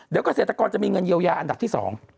เดี๋ยวเกษตรกรจะมีเงินเยียวยาอันดับที่๒